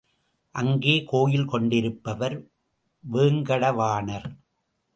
அங்கே கோயில் கொண்டிருப்பவர் வேங்கடவாணர்.